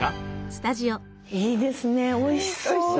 いいですねおいしそうで。